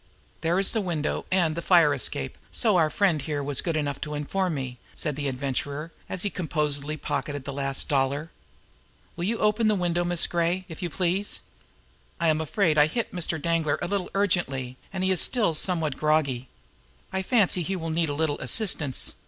"There is the window, and the fire escape, so our friend here was good enough to inform me," said the Adventurer, as he composedly pocketed the last dollar. "Will you open the window, Miss Gray, if you please? I am afraid I hit Mr. Danglar a little ungently, and as he is still somewhat groggy, I fancy he will need a little assistance.